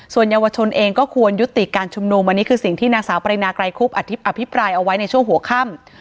ส่วนเยาวชนเองก็ควรยุติการชุมนุมอันนี้คือสิ่งที่นางสาวปรินาไกรคุบอภิปรายเอาไว้ในช่วงหัวค่ำ